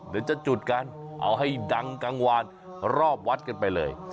เดี๋ยวจะจุดกันเอาให้ดังกลางวานรอบวัดกันไปเลย